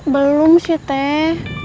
belum sih teh